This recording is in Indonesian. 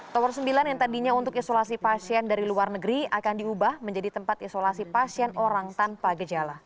tower sembilan yang tadinya untuk isolasi pasien dari luar negeri akan diubah menjadi tempat isolasi pasien orang tanpa gejala